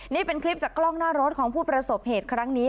นี่เป็นคลิปจากกล้องหน้ารถของผู้ประสบเหตุครั้งนี้